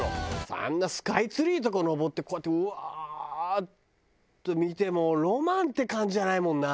あんなスカイツリーとか上ってこうやってうわーって見てもロマンって感じじゃないもんな。